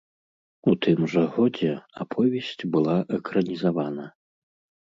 У тым жа годзе аповесць была экранізавана.